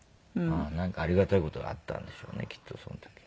なんかありがたい事があったんでしょうねきっとその時は。